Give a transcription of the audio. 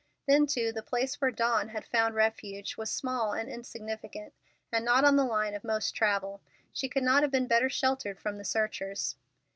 Then, too, the place where Dawn had found refuge was small and insignificant, and not on the line of most travel. She could not have been better sheltered from the searchers.